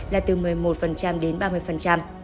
là từ một mươi một đến ba mươi